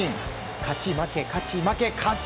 勝ち、負け、勝ち、負け勝ち！